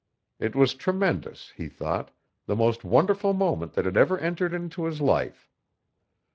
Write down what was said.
It was tremendous, he thought the most wonderful moment that had ever entered into his life.